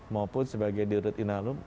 maupun sebagai dirut inalum